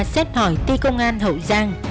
xét hỏi ti công an hậu giang